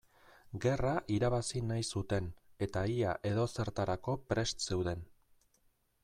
Gerra irabazi nahi zuten eta ia edozertarako prest zeuden.